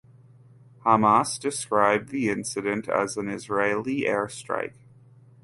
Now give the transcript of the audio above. Hamas described the incident as an Israeli airstrike.